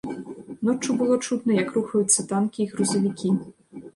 Ноччу было чутна, як рухаюцца танкі і грузавікі.